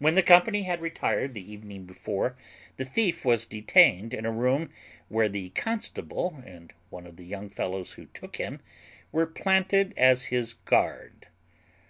When the company had retired the evening before, the thief was detained in a room where the constable, and one of the young fellows who took him, were planted as his guard.